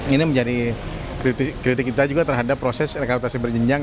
ini menjadi kritik kita juga terhadap proses rekrutasi berjenjang